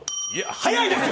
早いですよ。